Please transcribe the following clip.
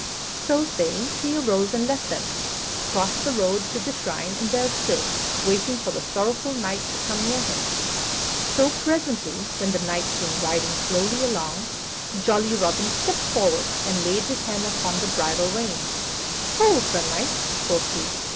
So saying, he arose and left them, crossed the road to the shrine, and there stood, waiting for the sorrowful knight to come near him. So, presently, when the knight came riding slowly along, jolly Robin stepped forward and laid his hand upon the bridle rein. "Hold, Sir Knight," quoth he.